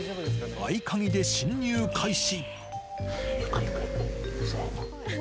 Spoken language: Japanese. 合鍵で侵入開始。